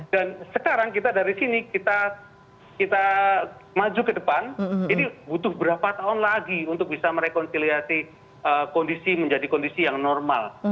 dan sekarang kita dari sini kita kita maju ke depan ini butuh berapa tahun lagi untuk bisa merekonsiliasi kondisi menjadi kondisi yang normal